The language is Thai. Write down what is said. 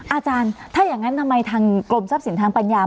อาจารย์ถ้าอย่างนั้นทำไมทางกรมทรัพย์สินทางปัญญา